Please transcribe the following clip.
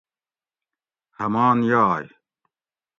ہمان یائی